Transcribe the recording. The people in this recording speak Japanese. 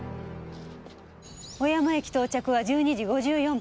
小山駅到着は１２時５４分。